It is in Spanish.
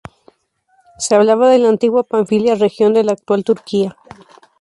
Se hablaba en la antigua Panfilia, región de la actual Turquía.